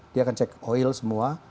dia akan cek oil semua